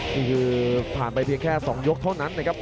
นี่คือผ่านไปเพียงแค่๒ยกเท่านั้นนะครับ